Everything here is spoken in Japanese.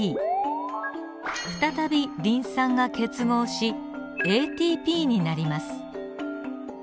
再びリン酸が結合しＡＴＰになります。